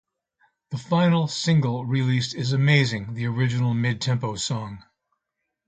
The final single released is "Amazing", the original mid-tempo song.